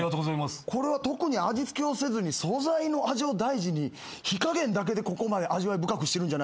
これは特に味付けをせずに素材の味を大事に火加減だけでここまで味わい深くしてるんじゃないでしょうか。